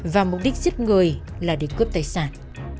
và mục đích giết người là để cướp tài sản